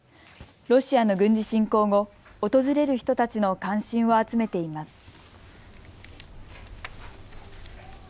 ロシアの軍事侵攻後、訪れる人たちの関心を集めています。